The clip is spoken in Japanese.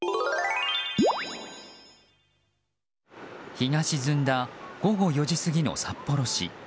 日が沈んだ午後４時過ぎの札幌市。